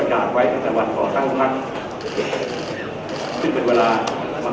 และยังสอนครองกับเป้าหมาย